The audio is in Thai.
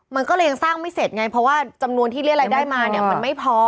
มันก็เลยยังสร้างไม่เสร็จไงเพราะว่าจำนวนที่เรียกรายได้มาเนี่ยมันไม่พอ